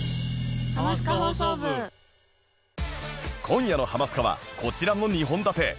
今夜の『ハマスカ』はこちらの２本立て